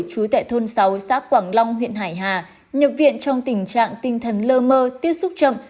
chú tại thôn sáu xã quảng long huyện hải hà nhập viện trong tình trạng tinh thần lơ mơ tiếp xúc chậm